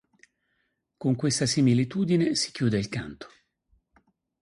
Con questa similitudine si chiude il canto.